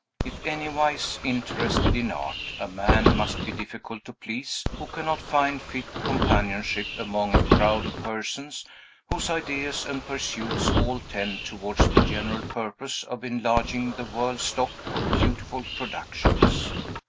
If anywise interested in art, a man must be difficult to please who cannot find fit companionship among a crowd of persons, whose ideas and pursuits all tend towards the general purpose of enlarging the world's stock of beautiful productions.